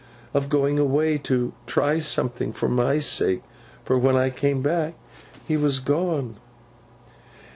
of going away to try something for my sake; for when I came back, he was gone.